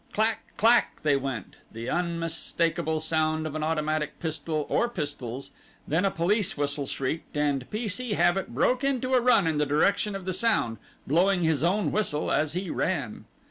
"Clack clack!" they went, the unmistakable sound of an automatic pistol or pistols, then a police whistle shrieked, and P. C. Habit broke into a run in the direction of the sound, blowing his own whistle as he ran.